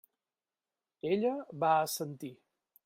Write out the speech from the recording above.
Ella va assentir.